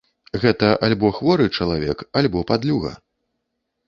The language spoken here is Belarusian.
Гэта альбо хворы чалавек, альбо падлюга.